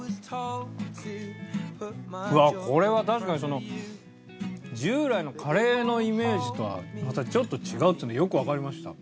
うわっこれは確かに従来のカレーのイメージとはちょっと違うっていうのはよくわかりました。